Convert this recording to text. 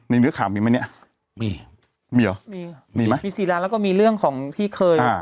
มีมีข่าวมีมั้ยเนี้ยมีมีหรอมีมีมั้ยมีสีราแล้วก็มีเรื่องของที่เคยอ่า